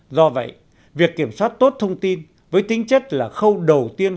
do vậy việc kiểm soát tốt thông tin với tính chất là khâu đầu tiên